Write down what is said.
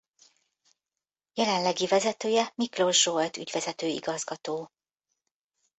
Jelenlegi vezetője Miklós Zsolt ügyvezető igazgató.